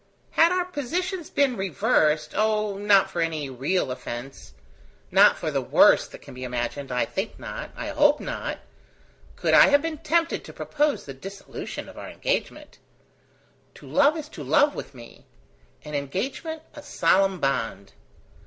Had our positions been reversed, oh, not for any real offence not for the worst that can be imagined I think not I hope not could I have been tempted to propose the dissolution of our engagement. To love is to love, with me; an engagement a solemn bond.